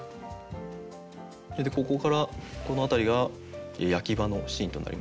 大体ここからこの辺りが焼場のシーンとなります。